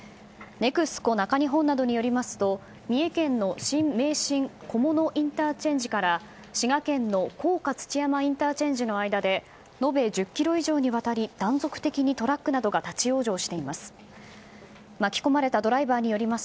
ＮＥＸＣＯ中日本などによりますと三重県の新名神菰野ＩＣから滋賀県の甲賀土山ＩＣの間で延べ１０ｋｍ以上にわたり断続的にトラックなどが立ち往生しています。